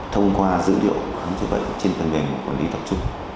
thông qua dữ liệu khám chữa bệnh trên phần mềm quản lý tập trung